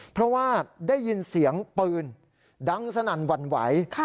เพราะว่าได้ยินเสียงปืนดังสนั่นหวั่นไหว